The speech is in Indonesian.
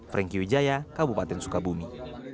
franky widjaya kabupaten sukabumi